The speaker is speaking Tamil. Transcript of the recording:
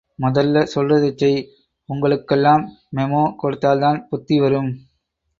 மொதல்ல சொல்றதைச் செய்... ஒங்களுக்கெல்லாம் மெமோ கொடுத்தால்தான் புத்தி வரும்.